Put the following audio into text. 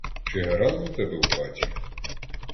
Чи гаразд у тебе в хаті?